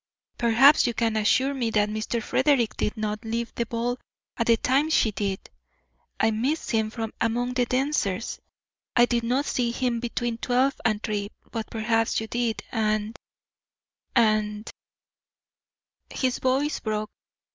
Perhaps you can assure me that Mr. Frederick did not leave the ball at the time she did. I missed him from among the dancers. I did not see him between twelve and three, but perhaps you did; and and " His voice broke.